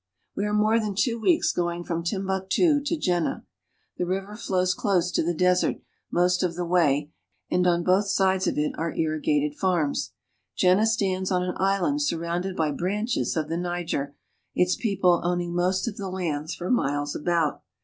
We are more than two weeks going from Timbuktu to Jenne. The river flows close to the desert most of the way, and on both sides of it are irrigated farms. Jenne stands on an island surrounded by branches of the Niger, its people owning most of the lands for miles about.